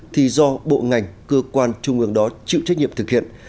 thì do bộ ngành cơ quan trung ương đó chịu trách nhiệm thực hiện